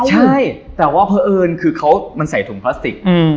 ใช่แต่ว่าเพราะเอิญคือเขามันใส่ถุงพลาสติก